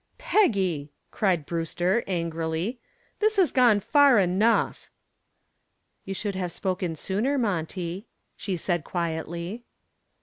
"Peggy!" cried Brewster angrily. "This has gone far enough." "You should have spoken sooner, Monty," she said quietly.